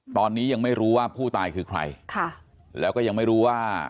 ตอนนี้ยังไม่รู้ว่าผู้ตายคือใครค่ะแล้วก็ยังไม่รู้ว่า